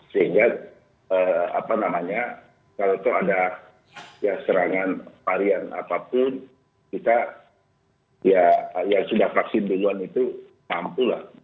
sehingga apa namanya kalau itu ada serangan varian apapun kita ya yang sudah vaksin duluan itu mampulah